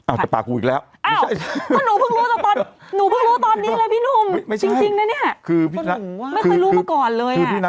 อ้าวแต่ปากกูอีกแล้วอ้าวก็หนูเพิ่งรู้ตอนนี้เลยพี่หนุ่ม